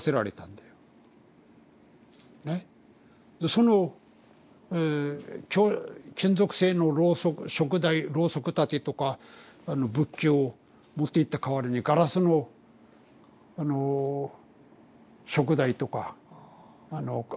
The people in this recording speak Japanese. その金属製のろうそくしょく台ろうそく立てとか仏器を持っていった代わりにガラスのしょく台とか花瓶とか置いてったんだよ。